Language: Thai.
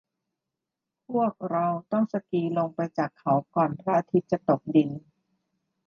พวกเราต้องสกีลงไปจากเขาก่อนพระอาทิตย์จะตกดิน